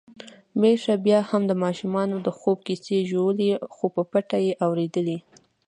میښه بيا هم د ماشومانو د خوب کیسې ژولي، خو په پټه يې اوريدلې.